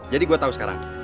jadi gue tau sekarang